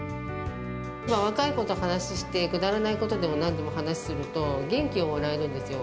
若い子と話して、くだらないことでも、なんでも話しすると、元気をもらえるんですよ。